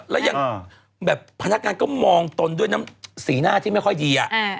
แล้วยังแบบพนักงานก็มองตนด้วยน้ำสีหน้าที่ไม่ค่อยดี